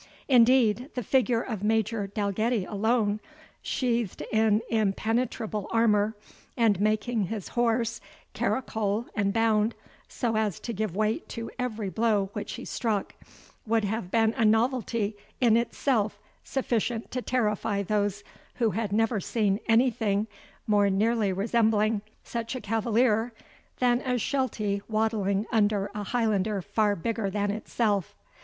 Indeed, the figure of Major Dalgetty alone, sheathed in impenetrable armour, and making his horse caracole and bound, so as to give weight to every blow which he struck, would have been a novelty in itself sufficient to terrify those who had never seen anything more nearly resembling such a cavalier, than a SHELTY waddling under a Highlander far bigger than itself.